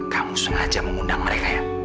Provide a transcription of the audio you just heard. kamu sengaja mengundang mereka ya